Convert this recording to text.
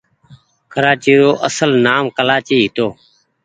ڪرآچي رو اسل نآم ڪلآچي هيتو۔